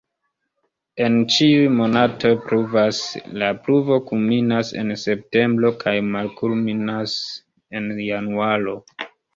En ĉiuj monatoj pluvas, la pluvo kulminas en septembro kaj malkulminas en januaro.